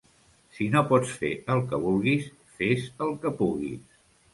Si no pots fer el que vulguis, fes el que puguis.